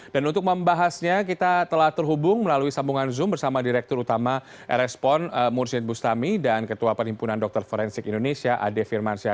dan untuk membahasnya kita telah terhubung melalui sambungan zoom bersama direktur utama erespon mursyid bustami dan ketua penimpunan dokter forensik indonesia ade firmansyah